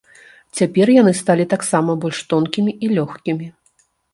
Цяпер яны сталі таксама больш тонкімі і лёгкімі.